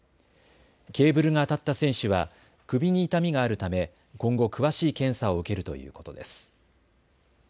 ケーブルが当たった選手は首に痛みがあるため今後、詳しい検査を受けるということです。